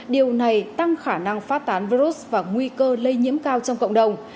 điều này tăng khả năng phát tán virus và nguy cơ lây nhiễm cao trong cộng đồng